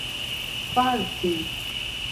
farti